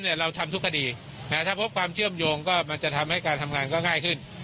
เราทำทุกคดีถ้าพบความเชื่อมโยงก็มันจะทำให้การทำงานก็ง่ายขึ้น